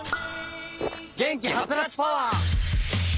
元気ハツラツパワー！